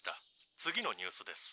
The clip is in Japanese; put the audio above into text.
次のニュースです。